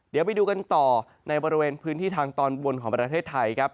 เดี๋ยวไปดูกันต่อในบริเวณพื้นที่ทางตอนบนของประเทศไทยครับ